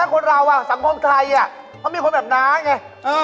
คนเราสังพมไทยน่ะเพราะมีคนแบบน้ำไอ้ง่ายเออ